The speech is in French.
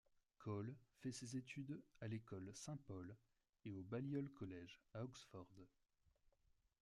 Cole fait ses études à l'école St-Paul et au Balliol College, à Oxford.